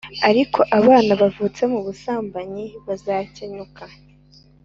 arko abana bavutse mu busambanyi bazakenyuka,